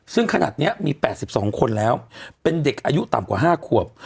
ซึ่งขนาดนี้มี๘๒คนแล้วเป็นเด็กอายุต่ำกว่า๕ขวบ